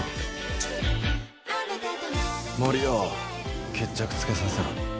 森生決着つけさせろ。